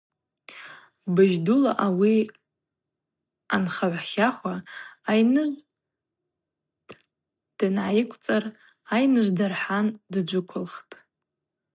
Быжь дула ауи анхагӏв хахва айныжв дангӏайыквцӏыр айныжв дырхӏан дджвыквххтӏ.